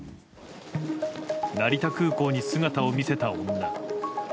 成田空港に姿を見せた女。